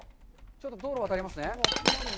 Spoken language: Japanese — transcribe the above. ちょっと道路を渡りますね。